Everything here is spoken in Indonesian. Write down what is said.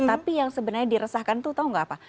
tapi yang sebenarnya diresahkan tuh tahu nggak apa